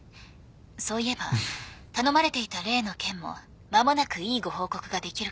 そういえば頼まれていた例の件も間もなくいいご報告ができるかと。